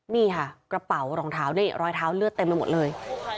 นี่ค่ะกระเป๋ารองเท้านี่รอยเท้าเลือดเต็มไปหมดเลย